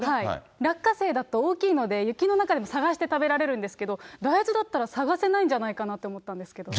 落花生だと大きいので、雪の中でも探して食べられるんですけど、大豆だったら探せないんじゃないかなって思ったんですけど。